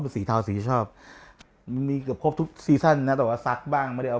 สีเทาสีชอบมีเกือบครบทุกซีซั่นนะแต่ว่าซักบ้างไม่ได้เอา